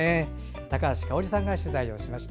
高橋香央里さんが取材しました。